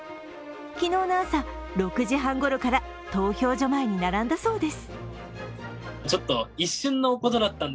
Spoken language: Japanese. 昨日の朝６時半ごろから投票所前に並んだそうです。